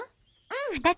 うん。